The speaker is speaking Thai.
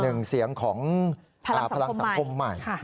หนึ่งเสียงของพลังสังคมใหม่